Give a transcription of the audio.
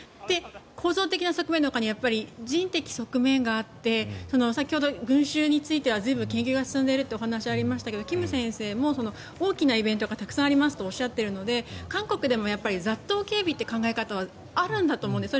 構造的な側面のほかに人的側面があって先ほど、群衆については随分、研究が進んでいるって話がありましたが金先生も大きなイベントがたくさんありますとおっしゃっているので韓国でも雑踏警備という考え方があるんだと思うんです。